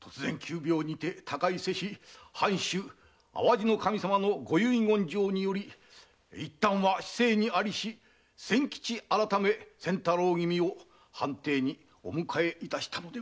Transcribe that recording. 突然急病にて他界せし藩主・淡路守様のご遺言状によりいったんは市井にありし千吉改め千太郎君を藩邸にお迎えいたしたのでございます。